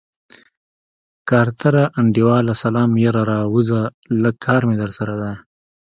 کارتره انډيواله سلام يره راووځه لږ کار مې درسره دی.